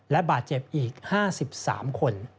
และบาดเจ็บอีกห้าสิบสามคน